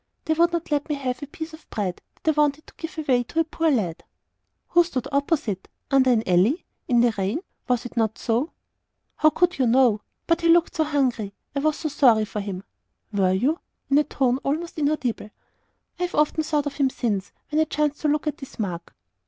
They would not let me have a piece of bread that I wanted to give away to a poor lad." "Who stood opposite under an alley in the rain? was it not so?" "How could you know? But he looked so hungry; I was so sorry for him." "Were you?" in a tone almost inaudible. "I have often thought of him since, when I chanced to look at this mark."